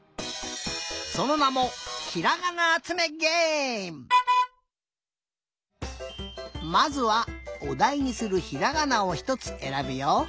そのなもまずはおだいにするひらがなをひとつえらぶよ。